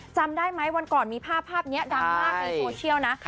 จำได้มั้ยวันก่อนมีภาพเนี่ยดังมากในโทเชียลนะ